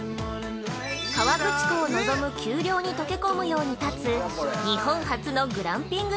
◆河口湖を望む丘陵に溶け込むように建つ日本初のグランピング